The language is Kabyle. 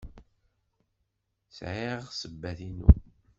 Sɛiɣ ssebbat-inu.